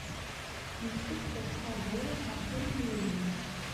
Yessefk ad nḥader ɣef umtiweg-nneɣ.